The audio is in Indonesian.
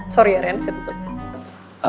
sorry ya ren saya tutup